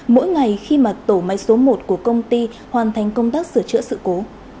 mỗi ngày khi mà tổ máy số một của công ty hoàn thành công tác sửa chữa sự cố